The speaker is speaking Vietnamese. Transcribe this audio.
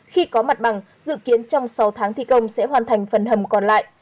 khi có mặt bằng dự kiến trong sáu tháng thi công sẽ hoàn thành phần hầm còn lại